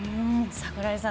櫻井さん